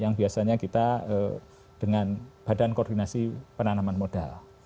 yang biasanya kita dengan badan koordinasi penanaman modal